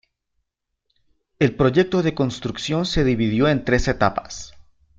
El proyecto de construcción se dividió en tres etapas.